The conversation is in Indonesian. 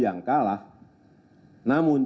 yang kalah namun